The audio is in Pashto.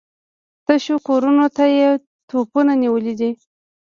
تشو کورونو ته يې توپونه نيولي دي.